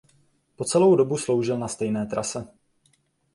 Po celou dobu sloužil na stejné trase.